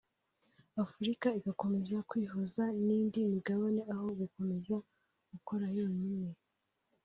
Afurika igakomeza kwihuza n’indi migabane aho gukomeza gukora yonyine